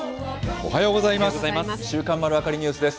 おはようございます。